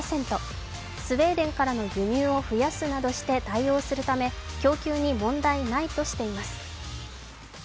スウェーデンからの輸入を増やすなどして対応するため供給に問題ないとしています。